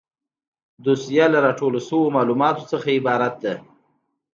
دوسیه له راټول شویو معلوماتو څخه عبارت ده.